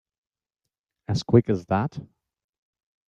As quick as that?